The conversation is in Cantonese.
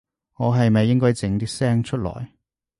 我係咪應該整啲聲出來